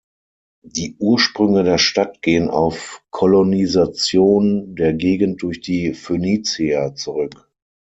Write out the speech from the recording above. Die Ursprünge der Stadt gehen auf Kolonisation der Gegend durch die Phönizier zurück.